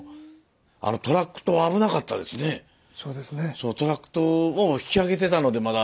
そのトラック島を引き揚げてたのでまだ。